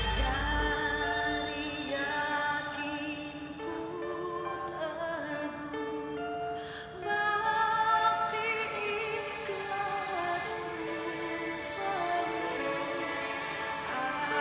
dengar video di toko kamu semua